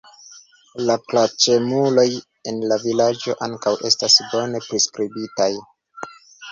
La klaĉemuloj en la vilaĝo ankaŭ estas bone priskribitaj.